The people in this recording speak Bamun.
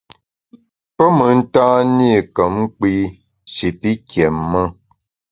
Pe mentan-i kom kpi shi pi kiém-e.